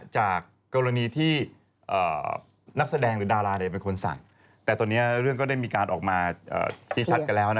จากกรณีที่นักแสดงหรือดาราเนี่ยเป็นคนสั่งแต่ตอนเนี้ยเรื่องก็ได้มีการออกมา